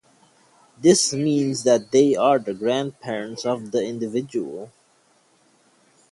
This means that they are the grandparents of the individual.